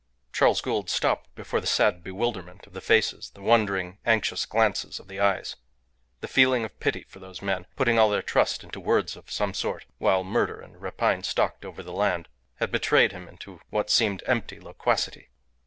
Charles Gould stopped before the sad bewilderment of the faces, the wondering, anxious glances of the eyes. The feeling of pity for those men, putting all their trust into words of some sort, while murder and rapine stalked over the land, had betrayed him into what seemed empty loquacity.